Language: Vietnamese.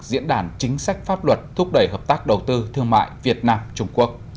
diễn đàn chính sách pháp luật thúc đẩy hợp tác đầu tư thương mại việt nam trung quốc